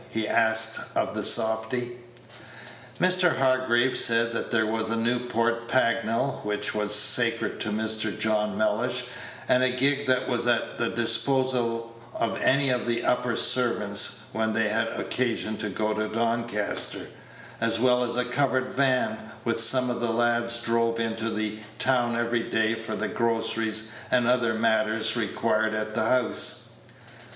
he asked of the softy. Mr. Hargraves said that there was a Newport Pagnell, which was sacred to Mr. John Mellish, and a gig that was at the disposal of any of the upper servants when they had occasion to go into Doncaster, as well as a covered van, which some of the lads drove into the town every day for the groceries and other matters required at the house.